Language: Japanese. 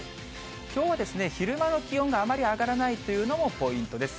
きょうは昼間の気温があまり上がらないというのもポイントです。